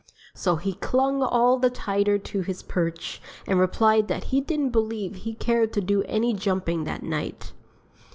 So he clung all the tighter to his perch and replied that he didn't believe he cared to do any jumping that night.